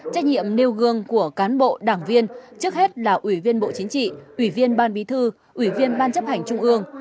trách nhiệm nêu gương của cán bộ đảng viên trước hết là ủy viên bộ chính trị ủy viên ban bí thư ủy viên ban chấp hành trung ương